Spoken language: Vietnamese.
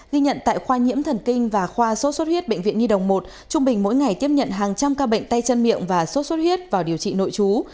ghi nhận tại khoa nhiễm thần kinh và khoa sốt xuất huyết bệnh viện nhi đồng một trung bình mỗi ngày tiếp nhận hàng trăm ca bệnh tay chân miệng và sốt xuất huyết vào điều trị nội chú